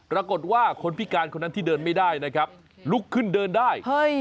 ปรากฏว่าคนพิการคนนั้นที่เดินไม่ได้นะครับลุกขึ้นเดินได้